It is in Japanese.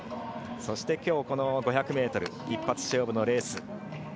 そしてきょう、この５００ｍ一発勝負のレース。